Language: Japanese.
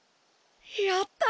やった！